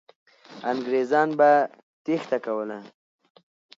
انګریزان به تېښته کوله.